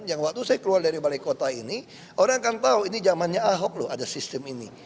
yang waktu saya keluar dari balai kota ini orang akan tahu ini zamannya ahok loh ada sistem ini